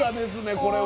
これは。